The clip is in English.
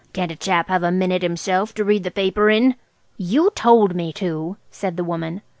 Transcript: "Can't a chap have a minute himself to read the paper in?" "You told me to," said the woman.